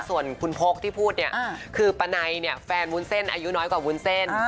ส่วนคุณพกที่พูดเนี่ยคือปะไนเนี่ยแฟนวุ้นเส้นอายุน้อยกว่าวุ้นเส้น